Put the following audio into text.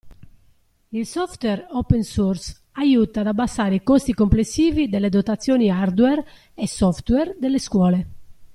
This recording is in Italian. Il software open source aiuta ad abbassare i costi complessivi delle dotazioni hardware e software delle scuole.